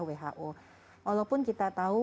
who walaupun kita tahu